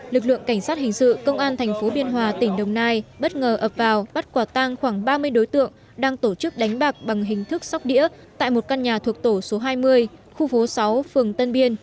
lực lượng cảnh sát hình sự công an thành phố biên hòa tỉnh đồng nai bất ngờ ập vào bắt quả tang khoảng ba mươi đối tượng đang tổ chức đánh bạc bằng hình thức sóc đĩa tại một căn nhà thuộc tổ số hai mươi khu phố sáu phường tân biên